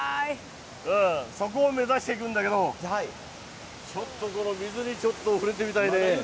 そこを目指していくんだけど、ちょっとこの水に、ちょっと触れてみたいねぇ。